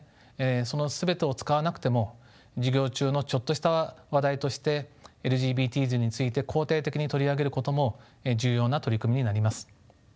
その全てを使わなくても授業中のちょっとした話題としてＬＧＢＴｓについて肯定的に取り上げることも重要な取り組みになります。